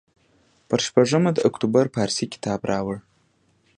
پر شپږمه د اکتوبر پارسي کتاب راوړ.